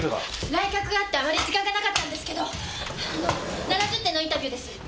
来客があってあまり時間がなかったんですけど７０点のインタビューです！